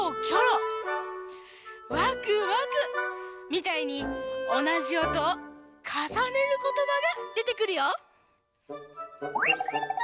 みたいにおなじおとをかさねることばがでてくるよ。